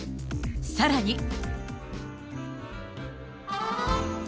さらに。